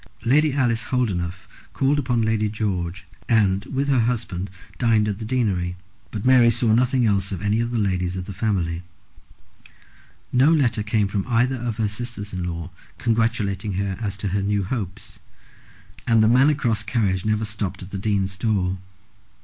Lady Alice Holdenough called upon Lady George, and, with her husband, dined at the deanery; but Mary saw nothing else of any of the ladies of the family. No letter came from either of her sisters in law congratulating her as to her new hopes, and the Manor Cross carriage never stopped at the Dean's door.